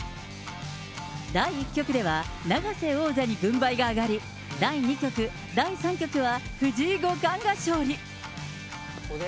第１局では永瀬王座に軍配が上がり、第２局、第３局は藤井五冠が勝利。